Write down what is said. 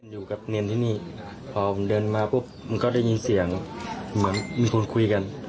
อยู่กับนินที่นี่พอเดินมาพบก็ได้ยินเสียงมีคนคุยกัน